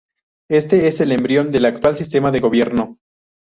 Este es el embrión del actual sistema de Gobierno.